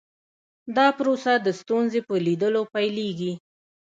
دا پروسه د ستونزې په لیدلو پیلیږي.